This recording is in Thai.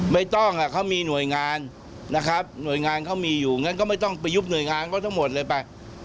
ไม่ต้องเขามีหน่วยงานนะครับหน่วยงานเขามีอยู่งั้นก็ไม่ต้องไปยุบหน่วยงานเขาทั้งหมดเลยไป